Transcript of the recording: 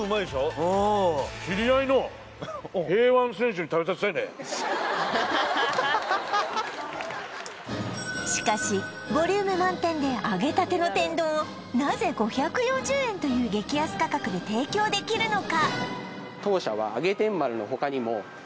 おおしかしボリューム満点で揚げたての天丼をなぜ５４０円という激安価格で提供できるのか？